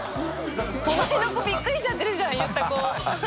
戮了びっくりしちゃってるじゃん言った子。